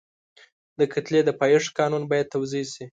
د کتلې د پایښت قانون باید توضیح شي.